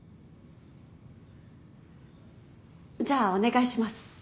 じゃあお願いします。